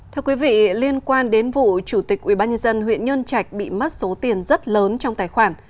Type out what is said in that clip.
thưa quý vị liên quan đến vụ chủ tịch ubnd huyện nhân trạch bị mất số tiền rất lớn trong tài khoản